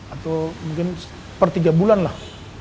atau mungkin per tiga bulan lah